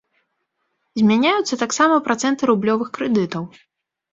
Змяняюцца таксама працэнты рублёвых крэдытаў.